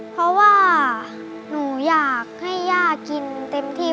เพราะว่าหนูอยากให้ย่ากินเต็มที่